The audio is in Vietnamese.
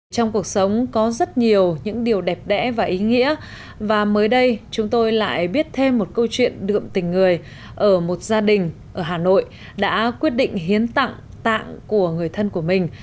trong cuộc sống có rất nhiều những điều đẹp đẽ và ý nghĩa và mới đây chúng tôi lại biết thêm một câu chuyện đượm tình người ở một gia đình ở hà nội đã quyết định hiến tặng tạng của người thân của mình